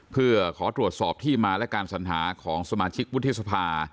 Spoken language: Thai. เพื่อขอตรวจสอบที่มาและการสัญหาของสมาชิกวุฒิสภา